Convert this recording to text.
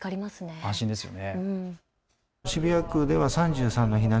安心ですよね。